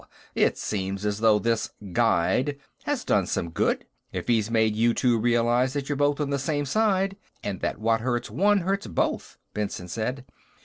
It seems as though this Guide has done some good, if he's made you two realize that you're both on the same side, and that what hurts one hurts both," Benson said.